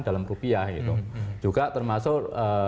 dalam rupiah gitu juga termasuk